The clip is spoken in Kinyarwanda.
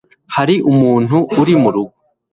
hari umuntu uri murugo